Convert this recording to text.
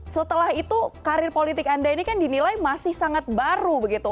setelah itu karir politik anda ini kan dinilai masih sangat baru begitu